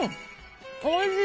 おいしい！